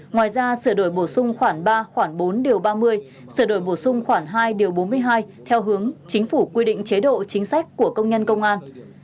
ngoài ra sửa đổi bổ sung khoảng ba khoảng bốn điều ba mươi sửa đổi bổ sung khoảng hai bốn mươi hai theo hướng chính phủ quy định chế độ chính sách của công nhân công an